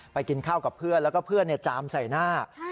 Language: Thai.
กินข้าวกับเพื่อนแล้วก็เพื่อนจามใส่หน้า